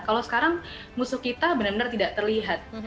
kalau sekarang musuh kita benar benar tidak terlihat